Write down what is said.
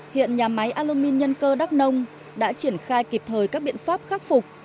hiện nhà máy alumin nhân cơ đắk nông đã triển khai kịp thời các biện pháp khắc phục